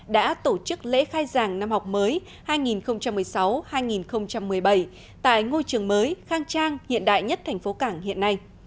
đã tổ chức lễ khai giảng năm học mới hai nghìn một mươi sáu hai nghìn một mươi bảy tại ngôi trường mới khang trang hiện đại nhất thành phố cảng hiện nay